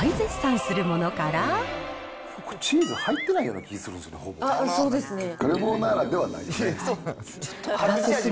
これ、チーズ入ってないような気するんですよね、そうですね。